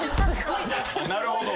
なるほど。